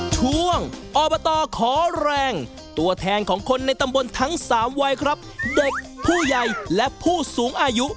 ช่วงอบตขอแรงตัวแทนของคนในตำบลทั้งสามวัยครับเด็กผู้ใหญ่และผู้สูงอายุ